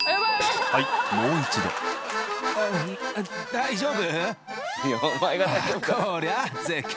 大丈夫？